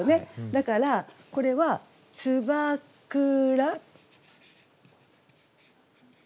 だからこれは「つばくらと」。